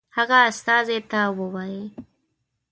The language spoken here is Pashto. هغه استازي ته ووايي.